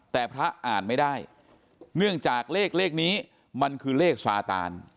แต่พระอ่านไม่ได้เนื่องจากเลขเลขนี้มันคือเลขซาตาน